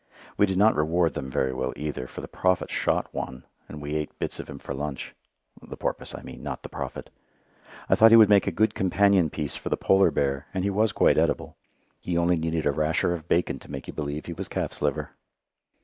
We did not reward them very well either, for the Prophet shot one, and we ate bits of him for lunch the porpoise, I mean, not the Prophet. I thought he would make a good companion piece for the polar bear, and he was quite edible. He only needed a rasher of bacon to make you believe he was calf's liver.